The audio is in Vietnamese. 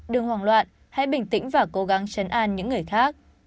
đừng hoảng loạn hãy bình tĩnh và cố gắng chấn an những người khác